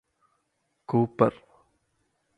Cooper